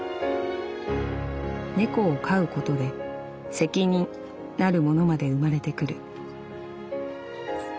猫を飼うことで『責任』なるものまで生まれてくる」。